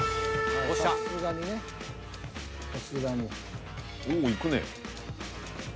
おおいくね。